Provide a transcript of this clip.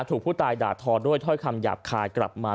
ถูกผู้ตายด่าทอด้วยถ้อยคำหยาบคายกลับมา